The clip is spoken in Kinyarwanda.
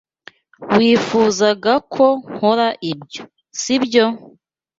Wifuzaga ko nkora ibyo, sibyo?